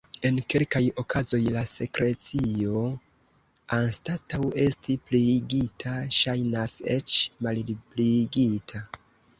En kelkaj okazoj la sekrecio, anstataŭ esti pliigita, ŝajnas eĉ malpliigita.